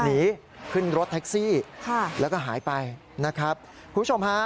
หนีขึ้นรถแท็กซี่ค่ะแล้วก็หายไปนะครับคุณผู้ชมฮะ